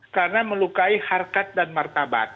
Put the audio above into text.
karena melukai harkat dan martabat